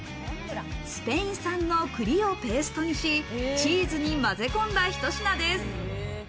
スペイン産の栗をペーストにし、チーズにまぜ込んだひと品です。